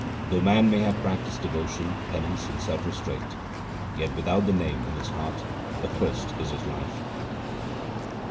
Though man may have practised devotion, penance, and self restraint, yet without the Name in his heart accursed is his life.